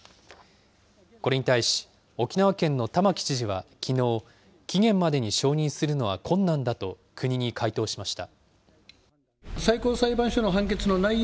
これに対し、沖縄県の玉城知事はきのう、期限までに承認するのは困難だと国に回答しました。